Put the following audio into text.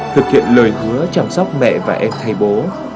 thực hiện lời hứa chăm sóc mẹ và em thay bố